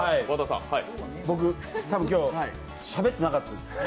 僕、たぶん今日、しゃべってなかったです。